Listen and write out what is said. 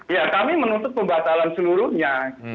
ya kami menuntut pembatalan seluruhnya